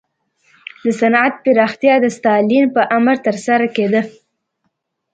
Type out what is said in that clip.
د صنعت پراختیا د ستالین په امر ترسره کېده